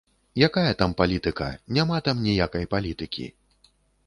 Якая там палітыка, няма там ніякай палітыкі.